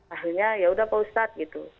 akhirnya yaudah pak ustadz